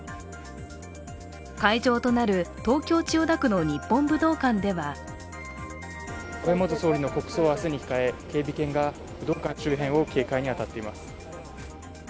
会場となる東京・千代田区の日本武道館では安倍元総理の国葬を明日に控え警備犬が武道館周辺の警戒に当たっています。